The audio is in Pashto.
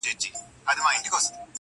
جبرانولی شي وګورئ هغه صفتونه چې